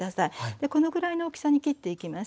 でこのぐらいの大きさに切っていきます。